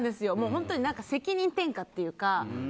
本当に責任転嫁っていうか。